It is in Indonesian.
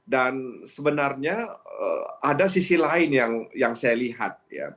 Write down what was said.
dan sebenarnya ada sisi lain yang saya lihat